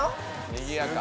にぎやか。